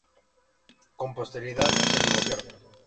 Con posterioridad, se divorciaron.